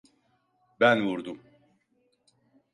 Ben vurdum.